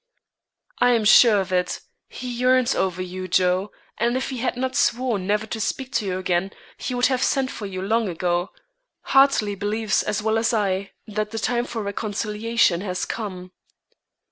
"I am sure of it. He yearns over you, Joe; and if he had not sworn never to speak to you again, he would have sent for you long ago. Hartley believes as well as I that the time for reconciliation has come."